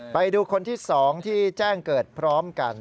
ไปดูคนที่๒ที่แจ้งเกิดพร้อมกัน